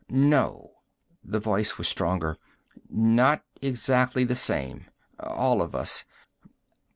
"No." The voice was stronger. "Not exactly the same, all of us.